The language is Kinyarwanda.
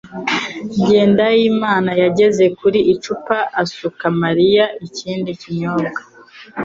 Jyendayimana yageze ku icupa asuka Mariya ikindi kinyobwa.